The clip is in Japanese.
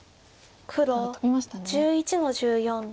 黒１１の十四トビ。